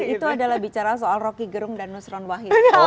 itu adalah bicara soal rocky gerung dan nusron wahid